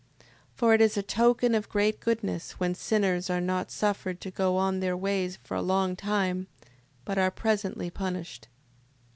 6:13. For it is a token of great goodness, when sinners are not suffered to go on in their ways for a long time, but are presently punished.